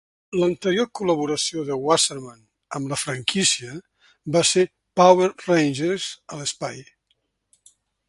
L'anterior col·laboració de Wasserman amb la franquícia va ser "Power Rangers a l'espai".